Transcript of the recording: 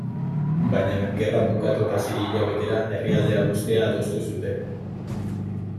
Baina, gerra bukatu eta sei hilabetera, herrialdea uztea adostu zuten.